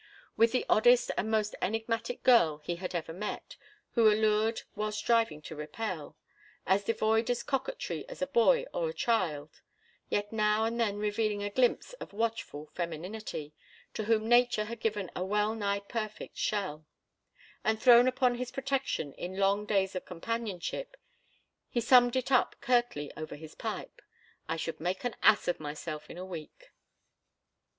With the oddest and most enigmatic girl he had ever met, who allured while striving to repel, as devoid of coquetry as a boy or a child, yet now and then revealing a glimpse of watchful femininity, to whom nature had given a wellnigh perfect shell; and thrown upon his protection in long days of companionship—he summed it up curtly over his pipe. "I should make an ass of myself in a week."